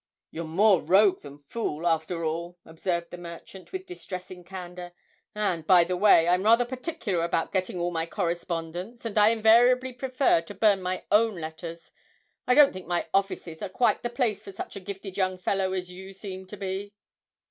'You're more rogue than fool, after all,' observed the merchant, with distressing candour; 'and, by the way, I'm rather particular about getting all my correspondence, and I invariably prefer to burn my own letters. I don't think my offices are quite the place for such a gifted young fellow as you seem to be.'